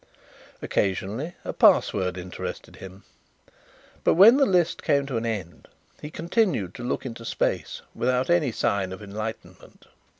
Occasionally a password interested him. But when the list came to an end he continued to look into space without any sign of enlightenment.